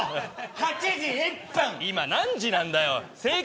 今、何時なんだよ。